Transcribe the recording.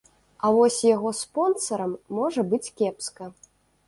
А вось яго спонсарам можа быць кепска.